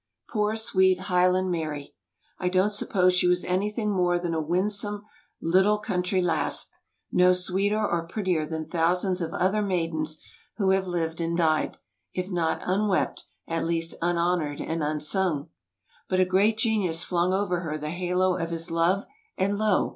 Poor, sweet Highland Mary! I don't suppose she was anything more than a winsome little country lass, no sweeter or prettier than thousands of other maidens who have lived and died, if not unwept, at least unhonoured and unsung. But a great genius flung over her the halo of his love and lo!